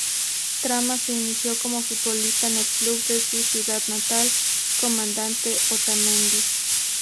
Trama se inició como futbolista en el club de su ciudad natal, Comandante Otamendi.